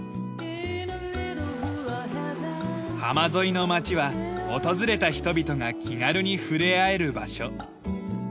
浜沿いの町は訪れた人々が気軽に触れ合える場所。